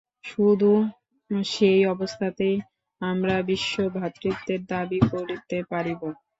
শুধু সেই অবস্থাতেই আমরা বিশ্বভ্রাতৃত্বের দাবী করিতে পারিব।